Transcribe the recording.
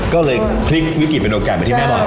ก็เลยพลิกวิกฤตเป็นโอกาสไปที่แม่บ้าน